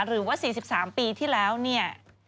หรือว่า๔๓ปีที่แล้วเนี่ย